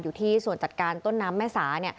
อยู่ที่ส่วนจัดการต้นน้ำแม่สา